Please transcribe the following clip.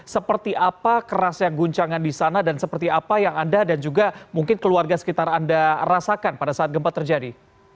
seperti apa kerasnya guncangan di sana dan seperti apa yang anda dan juga mungkin keluarga sekitar anda rasakan pada saat gempa terjadi